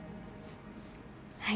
はい。